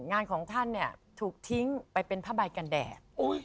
งานของท่านเนี่ยถูกทิ้งไปเป็นผ้าใบกันแดด